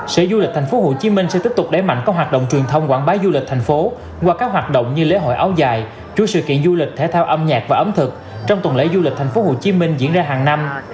sở du lịch tp hcm sẽ tiếp tục đẩy mạnh các hoạt động truyền thông quảng bá du lịch thành phố qua các hoạt động như lễ hội áo dài chuỗi sự kiện du lịch thể thao âm nhạc và ẩm thực trong tuần lễ du lịch tp hcm diễn ra hàng năm